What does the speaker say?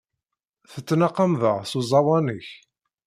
Tettnaqameḍ-aɣ s uẓawan-nnek.